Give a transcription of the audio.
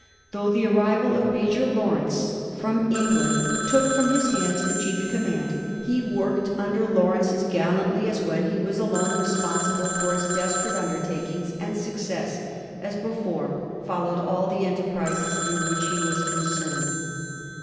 Though the arriv.'xl of Major Lnwrcnce from 264 A HISTORY OF THE FOUR GEORGES. CB.zzxTni. England took away from his hands the chief command^ he worked under Lawrence as gallantly as when he was alone responsible for his desperate undertakings, and suc cess, as before, followed all the enterprises in which he was concerned.